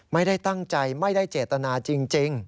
ไม่ได้ตั้งใจไม่ได้เจตนาจริง